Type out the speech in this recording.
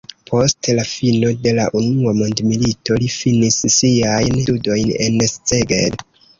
Post la fino de la unua mondmilito li finis siajn studojn en Szeged.